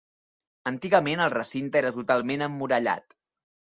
Antigament el recinte era totalment emmurallat.